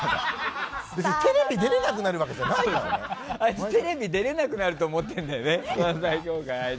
別にテレビ出れなくなるわけじゃあいつ、テレビ出れなくなると思ってるんだよね